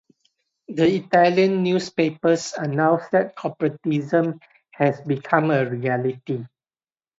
The Italian newspapers announce that corporatism has become a reality.